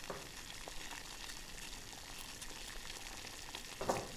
তিনি তাকে ওভালে খেলার জন্যে সুপারিশ করেন।